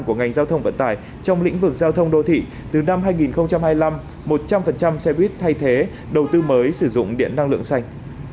của ngành giao thông vận tải trong lĩnh vực giao thông đô thị từ năm hai nghìn hai mươi năm một trăm linh xe buýt thay thế đầu tư mới sử dụng điện năng lượng xanh